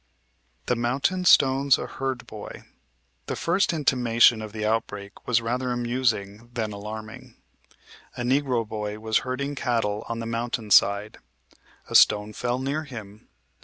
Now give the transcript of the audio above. THE MOUNTAIN STONES A HERD BOY The first intimation of the outbreak was rather amusing than alarming. A negro boy was herding cattle on the mountain side. A stone fell near him.